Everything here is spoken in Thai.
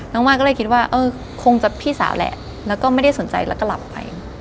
มาก็เลยคิดว่าเออคงจะพี่สาวแหละแล้วก็ไม่ได้สนใจแล้วก็หลับไป